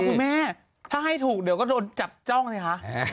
คุณแม่ถ้าให้ถูกเดี๋ยวก็โดนจับจ้องสิคะ